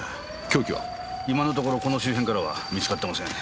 今のところこの周辺からは見つかってません。